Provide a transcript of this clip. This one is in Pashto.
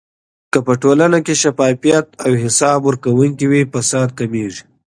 په ټولنه کې چې شفافيت او حساب ورکونه وي، فساد کمېږي.